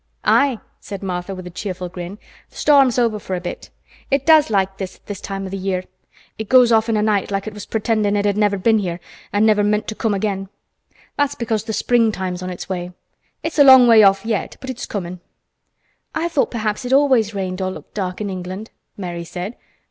"Aye," said Martha with a cheerful grin. "Th' storm's over for a bit. It does like this at this time o' th' year. It goes off in a night like it was pretendin' it had never been here an' never meant to come again. That's because th' springtime's on its way. It's a long way off yet, but it's comin'." "I thought perhaps it always rained or looked dark in England," Mary said.